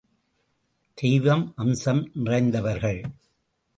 தெய்வ அம்சம் நிறைந்தவர்கள்.